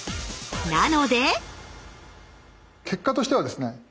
なので結果としてはですね